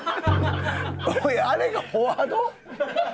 おいあれがフォワード？